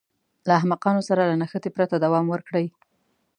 له احمقانو سره له نښتې پرته دوام ورکړي.